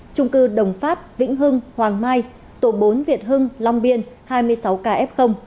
trung cư đồng phát vĩnh hưng hoàng mai tổ bốn việt hưng long biên hai mươi sáu kf